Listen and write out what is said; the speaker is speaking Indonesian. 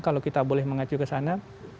kalau kita boleh mengacu kesana